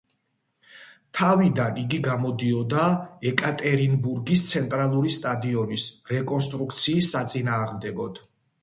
თავიდან, იგი გამოდიოდა ეკატერინბურგის ცენტრალური სტადიონის რეკონსტრუქციის საწინააღმდეგოდ.